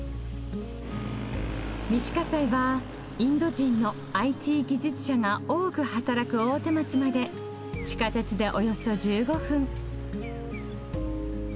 西西はインド人のＩＴ技術者が多く働く大手町まで地下鉄でおよそ１５分。